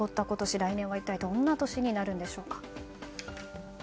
来年は一体どんな年になるのでしょうか。